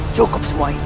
cukup semua ini